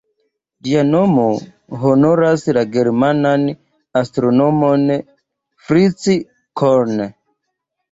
Ĝia nomo honoras la germanan astronomon Fritz Cohn.